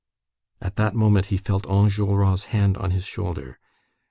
—" At that moment, he felt Enjolras' hand on his shoulder.